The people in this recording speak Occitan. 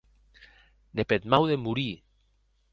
Ne peth mau de morir!